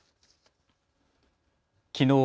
きのう